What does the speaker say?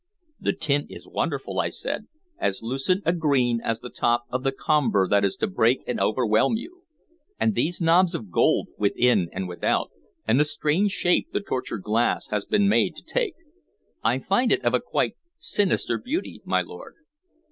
"The tint is wonderful," I said, "as lucent a green as the top of the comber that is to break and overwhelm you. And these knobs of gold, within and without, and the strange shape the tortured glass has been made to take. I find it of a quite sinister beauty, my lord."